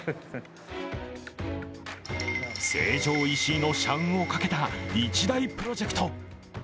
成城石井の社運をかけた一大プロジェクト。